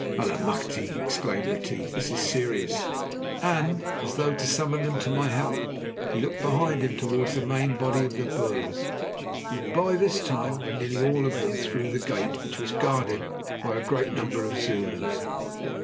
"Allemachte!" exclaimed Retief, "this is serious," and, as though to summon them to my help, he looked behind him towards the main body of the Boers, who by this time were nearly all of them through the gate, which was guarded by a great number of Zulus.